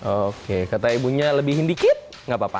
oke kata ibunya lebihin dikit nggak apa apa